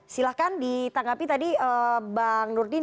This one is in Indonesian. silahkan ditanggapi tadi bang nurdin